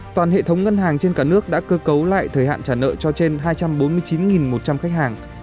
toàn hệ thống ngân hàng trên cả nước đã cơ cấu lại thời hạn trả nợ cho trên hai trăm bốn mươi chín một trăm linh khách hàng